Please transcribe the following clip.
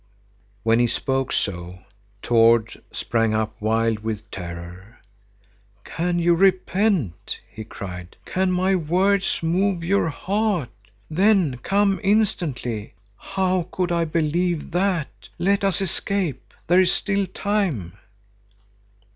When he spoke so, Tord sprang up wild with terror. "Can you repent?" he cried. "Can my words move your heart? Then come instantly! How could I believe that! Let us escape! There is still time."